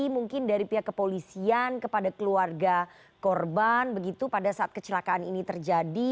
mungkin dari pihak kepolisian kepada keluarga korban begitu pada saat kecelakaan ini terjadi